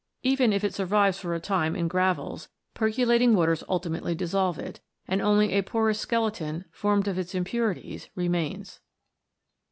Even if it survives for a time in gravels, percolating waters ultimately dissolve it, and only a porous skeleton, formed of its impurities, remains.